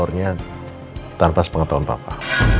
dan telurnya tanpa sepengetahuan papa